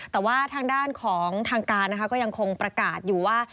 แต่ว่าทางด้านของทางการนะคะก็ยังคงประกาศอยู่ว่า